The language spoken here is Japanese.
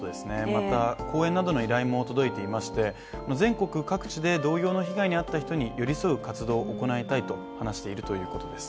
また、講演などの依頼も届いていまして全国各地で同様の被害に遭った人に寄り添う活動を行いと話しているということです。